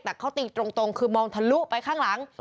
แต่เขาตีตรงคือมองทะลุไปข้างหลัง